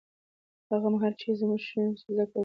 هغه مهال چې ښځې زده کړه وکړي، ټولنیز شاتګ نه رامنځته کېږي.